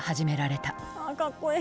あかっこいい。